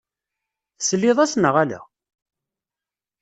Tesliḍ-as, neɣ ala?